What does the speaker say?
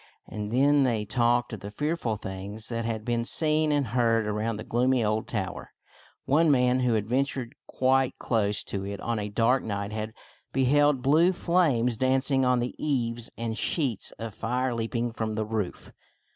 And then they talked of the fearful things that had been seen and heard around the gloomy old tower. One man who had ven tured quite close to it on a dark night had behejid blue flames dancing on the eaves and sheets of fire leaping from the roof.